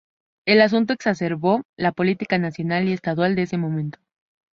El asunto exacerbó la política nacional y estadual desde ese momento.